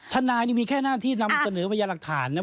ทนายนี่มีแค่หน้าที่นำเสนอพยาหลักฐานนะ